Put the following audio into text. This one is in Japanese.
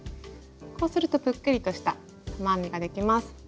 こうするとぷっくりとした玉編みができます。